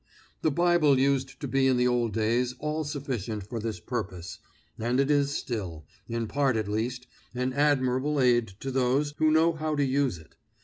The Bible used to be in the old days all sufficient for this purpose, and it is still, in part at least, an admirable aid to those who know how to use it.